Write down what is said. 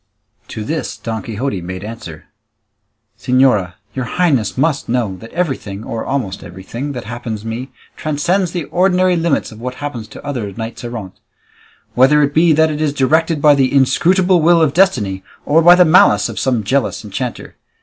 To this Don Quixote made answer, "Señora, your highness must know that everything or almost everything that happens me transcends the ordinary limits of what happens to other knights errant; whether it be that it is directed by the inscrutable will of destiny, or by the malice of some jealous enchanter.